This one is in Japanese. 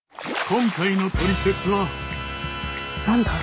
今回の「トリセツ」は。